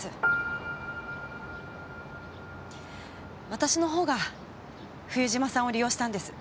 私のほうが冬島さんを利用したんです。